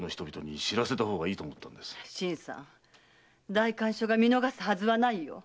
代官所が見逃すはずはないよ。